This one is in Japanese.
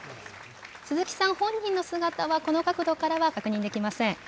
鈴木さん本人の姿は、この角度からは確認できません。